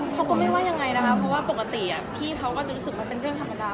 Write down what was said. เขาก็ไม่ว่ายังไงนะคะเพราะว่าปกติพี่เขาก็จะรู้สึกว่าเป็นเรื่องธรรมดา